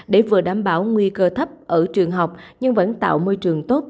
để vừa đảm bảo nguy cơ thấp ở trường học nhưng vẫn tạo môi trường tốt